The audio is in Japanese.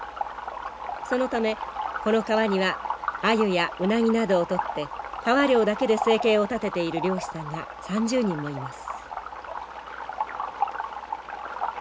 そのためこの川にはアユやウナギなどを取って川漁だけで生計を立てている漁師さんが３０人もいます。